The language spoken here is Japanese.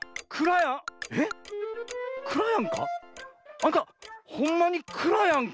あんたほんまにくらやんか？」。